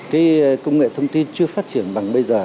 cái công nghệ thông tin chưa phát triển bằng bây giờ